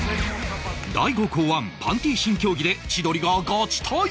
大悟考案パンティ新競技で千鳥がガチ対決！